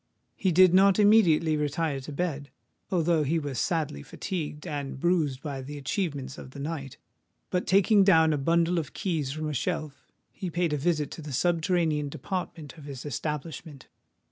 He did not immediately retire to bed, although he was sadly fatigued and bruised by the achievements of the night; but, taking down a bundle of keys from a shelf, he paid a visit to the subterranean department of his establishment.